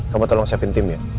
kamu tolong siapin tim ya